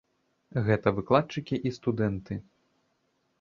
Гэта выкладчыкі і студэнты.